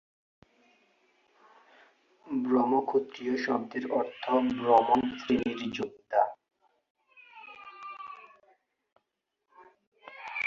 ব্রহ্মক্ষত্রিয় শব্দের অর্থ ব্রাহ্মণ শ্রেণীর যোদ্ধা।